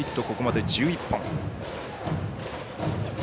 ここまで１１本。